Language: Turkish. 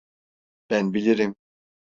Ben bilirim.